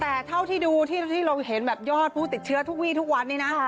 แต่เท่าที่ดูที่เราเห็นแบบยอดผู้ติดเชื้อทุกวีทุกวันนี้นะ